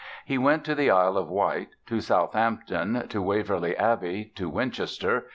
He went to the Isle of Wight, to Southampton, to Waverly Abbey, to Winchester.